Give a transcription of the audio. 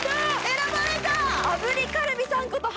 選ばれた！